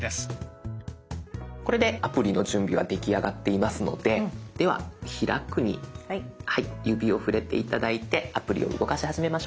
これでアプリの準備は出来上がっていますのででは「開く」に指を触れて頂いてアプリを動かし始めましょう。